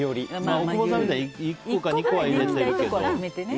大久保さんみたいに１個か２個は入れてるけど。